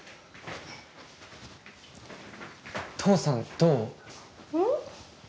父さん、どう？